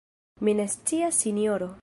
Mi ne scias, sinjoro.